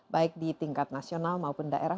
baik di tingkat nasional maupun daerah